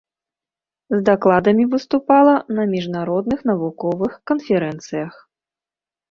З дакладамі выступала на міжнародных навуковых канферэнцыях.